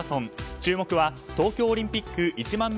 注目は東京オリンピック１００００